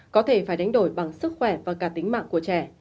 có thể phải đánh đổi bằng sức khỏe và cả tính mạng của trẻ